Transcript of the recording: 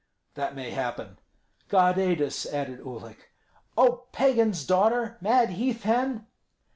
"That may happen." "God aid us!" added Uhlik. "Oh, pagan's daughter, mad heath hen!"